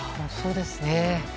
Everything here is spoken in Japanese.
そうですね。